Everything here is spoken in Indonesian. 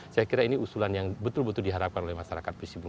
saya kira ini usulan yang betul betul diharapkan oleh masyarakat